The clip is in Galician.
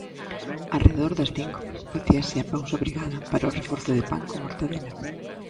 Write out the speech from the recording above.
Arredor das cinco facíase a pausa obrigada para o reforzo de pan con mortadela.